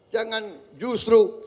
jangan justru pemimpin kita